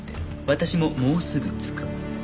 「私ももうすぐ着く」